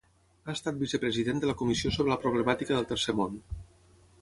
Ha estat vicepresident de la Comissió sobre la Problemàtica del Tercer Món.